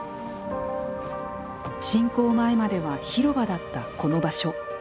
侵攻前までは広場だったこの場所。